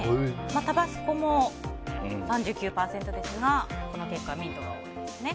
タバスコも３９％ですがこの結果ミントが多いですね。